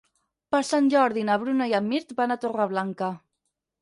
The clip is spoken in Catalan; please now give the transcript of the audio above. Per Sant Jordi na Bruna i en Mirt van a Torreblanca.